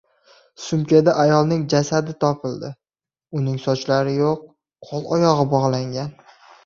Sumkada ayolning jasadi topildi. Uning sochlari yo‘q, qo‘l-oyog‘i bog‘langan